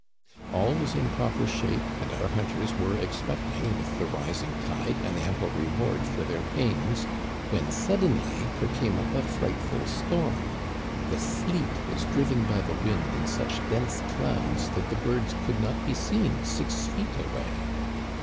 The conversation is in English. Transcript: " All was in proper shape, and our hunters were ex pecting with the rising tide an ample reward for their pains, when suddenly there came up a frightful storm. The sleet was driven by the wind in such dense clouds that the birds could not be seen six feet away.